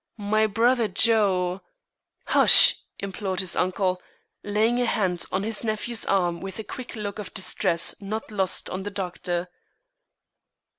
My brother Joe " "Hush!" implored his uncle, laying a hand on his nephew's arm with a quick look of distress not lost on the doctor.